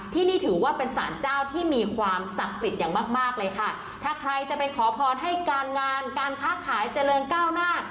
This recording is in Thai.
ที่นี่ถือว่าเป็นสารเจ้าที่มีความศักดิ์สิทธิ์อย่างมากมากเลยค่ะถ้าใครจะไปขอพรให้การงานการค้าขายเจริญก้าวหน้า